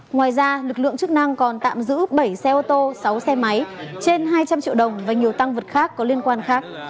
ngoài ra lực lượng chức năng còn tạm giữ bảy xe ô tô sáu xe máy trên hai trăm linh triệu đồng và nhiều tăng vật khác có liên quan khác